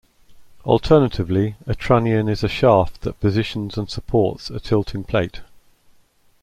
Alternatively, a trunnion is a shaft that positions and supports a tilting plate.